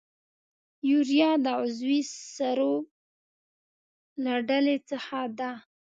یوریا د عضوي سرو له ډلې څخه ده.